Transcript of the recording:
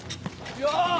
よう！